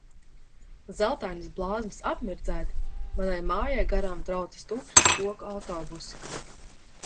Zeltainas blāzmas apmirdzēti, manai mājai garām traucas tukši spoku autobusi.